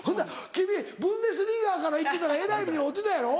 君ブンデスリーガから行ってたらえらい目に遭うてたやろ？